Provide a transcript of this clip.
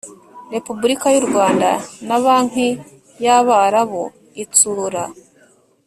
Repubulika y u Rwanda na Banki y Abarabu Itsura